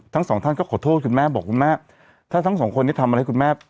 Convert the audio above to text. ทั้งสองท่านก็ขอโทษคุณแม่บอกคุณแม่ถ้าทั้งสองคนนี้ทำอะไรให้คุณแม่